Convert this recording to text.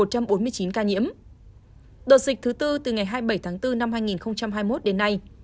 đợt dịch thứ tư từ ngày hai mươi bảy tháng bốn năm hai nghìn hai mươi một đến nay